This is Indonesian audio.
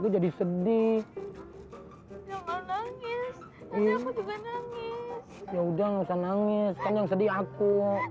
lagi jadi sedih ya udah nggak bisa nangis yang sedih aku aku jadi sedih ya udah nggak bisa nangis kan yang sedih aku